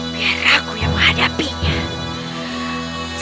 biar aku yang menghadapinya